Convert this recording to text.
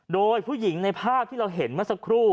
โดยผู้หญิงในภาพที่เราเห็นเมื่อสักครู่